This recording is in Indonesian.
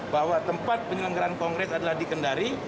bahwa tempat penyelenggaran kongres adalah di kendari